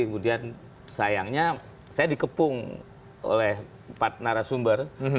kemudian sayangnya saya dikepung oleh empat narasumber